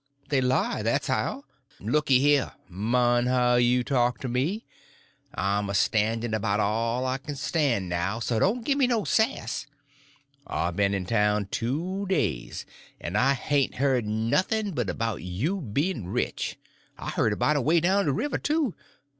"They lie—that's how." "Looky here—mind how you talk to me; I'm a standing about all I can stand now—so don't gimme no sass. I've been in town two days, and I hain't heard nothing but about you bein' rich. I heard about it away down the river, too.